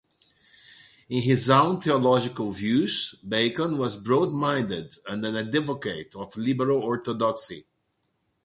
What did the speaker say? In his own theological views, Bacon was broad-minded and an advocate of liberal orthodoxy.